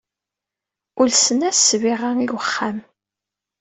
Ulsen-as ssbiɣa i wexxam.